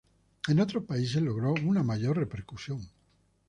En otros países logró una mayor repercusión.